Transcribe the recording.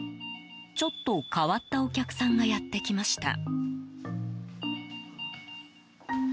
ちょっと変わったお客さんがやってきました。